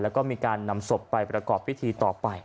แล้วก็มีการนำศพไปประกอบพิธีต่อไป